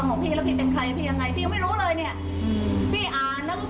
อะไรอ่ะมั้งใช่ป่ะ